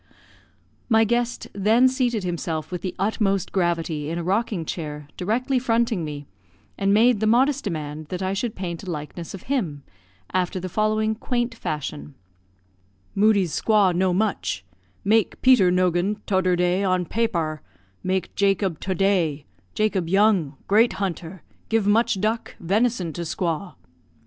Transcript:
My guest then seated himself with the utmost gravity in a rocking chair, directly fronting me, and made the modest demand that I should paint a likeness of him, after the following quaint fashion: "Moodie's squaw know much make Peter Nogan toder day on papare make Jacob to day Jacob young great hunter give much duck venison to squaw."